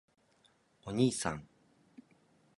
おにいさん！！！